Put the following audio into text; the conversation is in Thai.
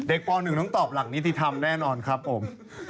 ป๑ต้องตอบหลักนิติธรรมแน่นอนครับผม